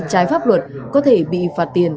trái pháp luật có thể bị phạt tiền